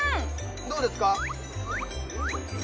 どうですか？